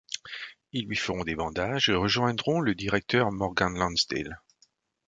Ils lui feront des bandages et rejoindront le directeur Morgan Landsdale.